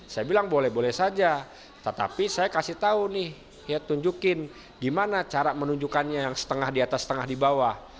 saya bilang boleh boleh saja tetapi saya kasih tau nih ya tunjukin gimana cara menunjukkannya yang setengah di atas setengah di bawah